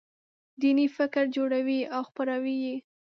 دیني فکر جوړوي او خپروي یې.